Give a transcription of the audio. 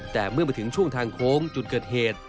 แต่เมื่อมาถึงช่วงทางโค้งจุดเกิดเหตุ